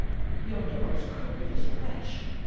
yonder unscrupulous wretch!